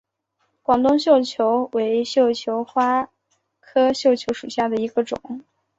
广东绣球为绣球花科绣球属下的一个种。